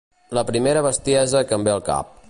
La primera bestiesa que em ve al cap.